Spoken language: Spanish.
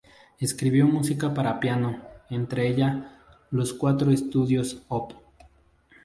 Escribió mucha música para piano, entre ella los cuatro estudios, Op.